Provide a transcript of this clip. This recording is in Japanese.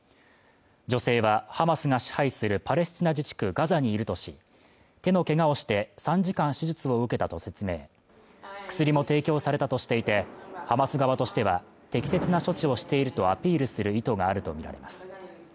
女性はハマスが支配するパレスチナ自治区ガザにいるとし手の怪我をして３時間手術を受けたと説明薬も提供されたとしていてハマス側としては適切な処置をしているとアピールする意図があるとみられます